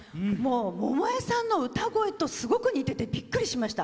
百恵さんの歌声とすごく似ててびっくりしました。